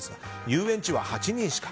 遊園地は８人しか。